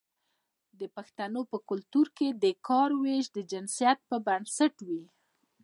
د پښتنو په کلتور کې د کار ویش د جنسیت پر بنسټ وي.